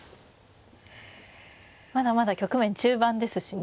まだまだ局面中盤ですしね。